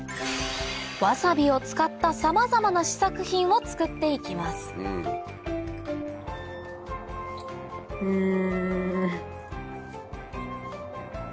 わさびを使ったさまざまな試作品を作って行きますうん。